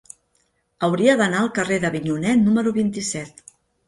Hauria d'anar al carrer d'Avinyonet número vint-i-set.